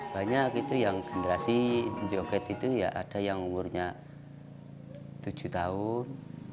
banyak itu yang generasi joget itu ya ada yang umurnya tujuh tahun